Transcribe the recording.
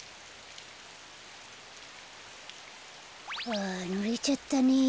ふうぬれちゃったね。